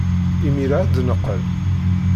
Imir-a ad d-neqqel.